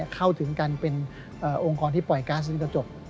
เข้าถึงกันเป็นองค์กรที่ปล่อยก๊าซในกระจก